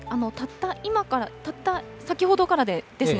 たった先ほどからですね、